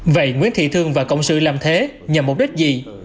vậy nguyễn thị thương và cộng sư làm thế nhằm mục đích gì